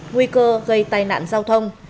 nguy cơ gây tai nạn giao thông